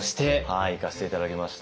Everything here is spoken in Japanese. はい行かせて頂きました。